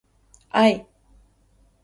愛